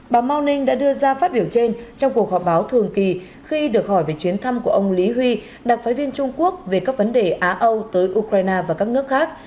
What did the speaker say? báo morning đã đưa ra phát biểu trên trong cuộc họp báo thường kỳ khi được hỏi về chuyến thăm của ông lý huy đặc phái viên trung quốc về các vấn đề á âu tới ukraine và các nước khác